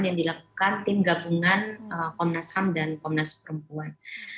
yang dilakukan tim gabungan komnas ham dan komnas perempuan